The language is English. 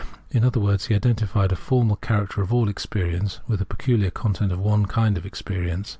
In other words, he identified a formal character of all experience with the peculiar content of one kind of experience.